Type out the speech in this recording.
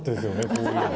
こういうの。